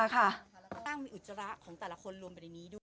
ก็ต้องมีอุจจระของแต่ละคนรวมไปในนี้ดู